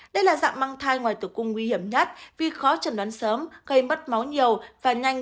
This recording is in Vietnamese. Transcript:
đây là dạng mang thai ngoài tử cung nguy hiểm nhất vì khó trần đoán sớm gây mất máu nhiều và nhanh